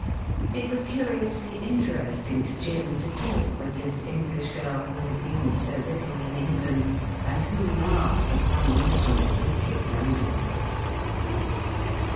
It was curiously interesting to Jim to talk with this English girl who had been so little in England, and who now for some reason hated London.